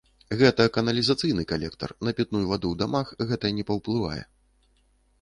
Гэта каналізацыйны калектар, на пітную ваду ў дамах гэта не паўплывае.